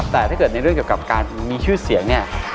แต่ถ้าเกิดในเรื่องเกี่ยวกับการมีชื่อเสียงเนี่ย